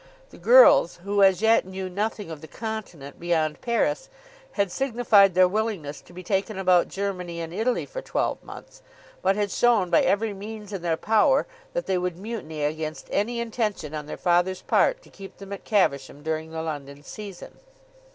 The girls, who as yet knew nothing of the Continent beyond Paris, had signified their willingness to be taken about Germany and Italy for twelve months, but had shown by every means in their power that they would mutiny against any intention on their father's part to keep them at Caversham during the London season.